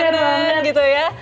iya benar banget